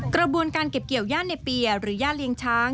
กระบวนการเก็บเกี่ยวย่านในเปียหรือย่านเลี้ยงช้าง